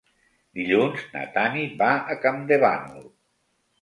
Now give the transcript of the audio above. Dilluns na Tanit va a Campdevànol.